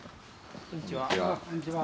こんにちは。